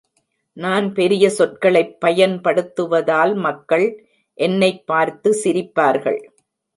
நான் பெரிய சொற்களைப் பயன்படுத்துவதால் மக்கள் என்னைப் பார்த்து சிரிப்பார்கள்.